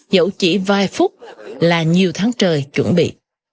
dẫu chỉ vài phút là nhiều tháng trời chuẩn bị